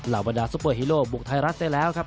บรรดาซุปเปอร์ฮีโร่บุกไทยรัฐได้แล้วครับ